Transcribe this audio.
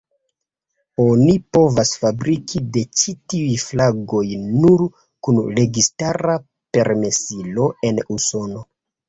Oni povas fabriki de ĉi tiuj flagoj nur kun registara permesilo en Usono.